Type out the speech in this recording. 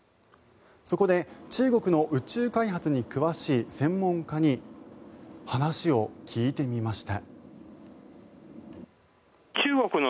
そこで中国の宇宙開発に詳しい専門家に話を聞いてみました。